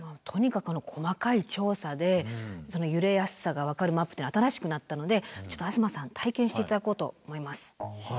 とにかく細かい調査でその揺れやすさが分かるマップっていうのは新しくなったのでちょっと東さん体験して頂こうと思います。